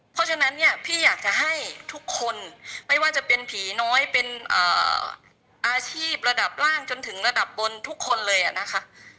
เพราะฉะนั้นเนี่ยพี่อยากจะให้ทุกคนไม่ว่าจะเป็นผีน้อยเป็นอาชีพระดับล่างจนถึงระดับบนทุกคนเลยนะคะ